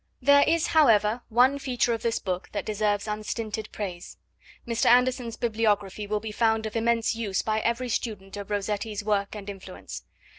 There is, however, one feature of this book that deserves unstinted praise. Mr. Anderson's bibliography will be found of immense use by every student of Rossetti's work and influence.